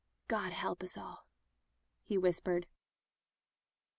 "God help us all," he whispered.